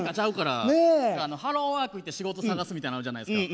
ハローワーク行って仕事探すみたいのあるじゃないですか。